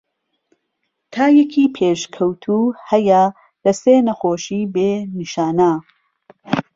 تایەکی پێشکەوتوو هەیە لە سێ نەخۆشی بێ نیشانە.